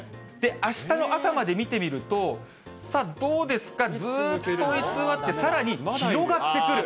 あしたの朝まで見てみると、さあ、どうですか、ずっと居座って、さらに広がってくる。